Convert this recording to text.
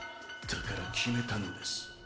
だから決めたのです。